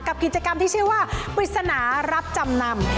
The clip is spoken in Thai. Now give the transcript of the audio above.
กิจกรรมที่ชื่อว่าปริศนารับจำนำ